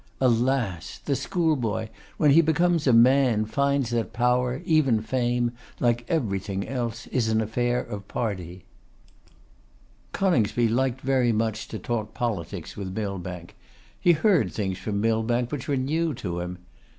Alas! the schoolboy, when he becomes a man, finds that power, even fame, like everything else, is an affair of party. Coningsby liked very much to talk politics with Millbank. He heard things from Millbank which were new to him.